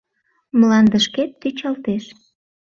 Мландышкет тӱчалтеш.